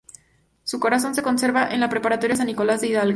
Su corazón se conserva en la preparatoria San Nicolás de Hidalgo.